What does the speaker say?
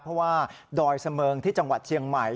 เพราะว่าดอยเสมิงที่จังหวัดเชียงใหม่